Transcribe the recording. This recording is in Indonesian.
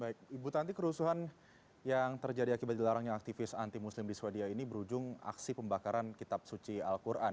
baik ibu tanti kerusuhan yang terjadi akibat dilarangnya aktivis anti muslim di sweden ini berujung aksi pembakaran kitab suci al quran